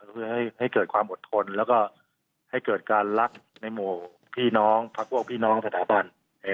เพื่อให้เกิดความอดทนแล้วก็ให้เกิดการรักในหมู่พี่น้องพักพวกพี่น้องสถาบัน